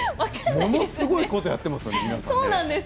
ものすごいことをやってますよね、皆さん。